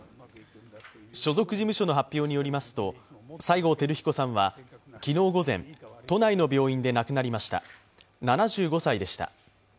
所属事務所の発表によりますと、西郷輝彦さんは昨日午前、都内の病院で亡くなりました、７５歳でした。